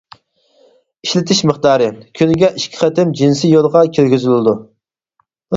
ئىشلىتىش مىقدارى: كۈنىگە ئىككى قېتىم جىنسىي يولغا كىرگۈزۈلىدۇ.